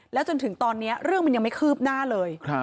จนถึงตอนนี้เรื่องมันยังไม่คืบหน้าเลย